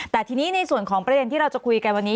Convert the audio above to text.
แต่ทีนี้ในส่วนของประเด็นที่เราจะคุยกันวันนี้